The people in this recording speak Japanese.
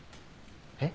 えっ？